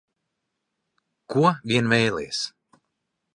Ko vien vēlies.